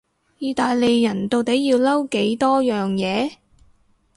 意大利人到底要嬲幾多樣嘢？